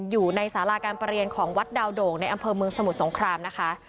อยู่ในสาราการประเรียนของวัดดาวโด่งในอำเภอเมืองสมุทรสงครามนะคะ